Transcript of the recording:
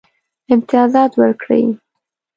امتیازات ورکړي.